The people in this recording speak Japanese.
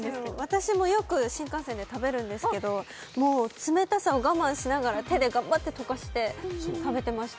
私もよく新幹線で食べるんですけどもう冷たさを我慢しながら、手で頑張って溶かして食べてました。